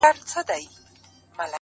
خوشحال په دې يم چي ذهين نه سمه ـ